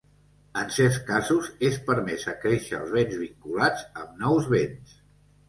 En certs casos, és permès acréixer els béns vinculats amb nous béns.